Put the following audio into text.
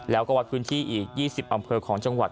แล้วก็วัดพื้นที่อีก๒๐อำเภอของจังหวัด